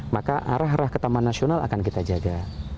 maka arah arah ke taman nasional akan kita jaga